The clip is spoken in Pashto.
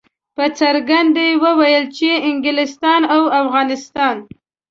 په څرګنده یې ویل چې انګلستان او افغانستان.